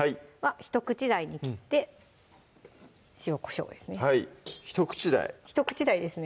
一口大に切って塩・こしょうですねはい一口大一口大ですね